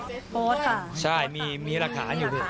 มีการโพสต์รูปปืนค่ะใช่มีรักษาอยู่